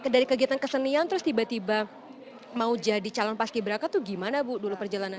dari kegiatan kesenian terus tiba tiba mau jadi calon pas ki braka tuh gimana bu dulu perjalanannya